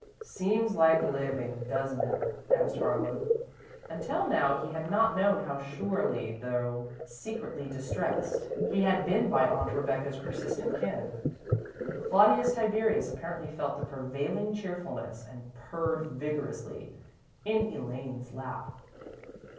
"Seems like living, doesn't it?" asked Harlan. Until now, he had not known how surely though secretly distressed he had been by Aunt Rebecca's persistent kin. Claudius Tiberius apparently felt the prevailing cheerfulness, and purred vigorously, in Elaine's lap.